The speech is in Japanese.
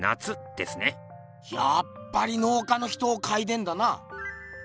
やっぱり農家の人を描いてんだな。